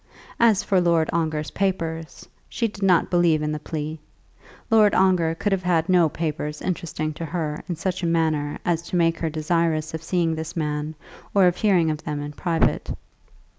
As for Lord Ongar's papers, she did not believe in the plea. Lord Ongar could have had no papers interesting to her in such a manner as to make her desirous of seeing this man or of hearing of them in private.